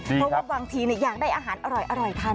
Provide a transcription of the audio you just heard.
เพราะว่าบางทีอยากได้อาหารอร่อยทาน